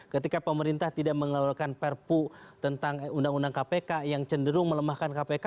ketika pemerintah tidak mengeluarkan perpu tentang undang undang kpk yang cenderung melemahkan kpk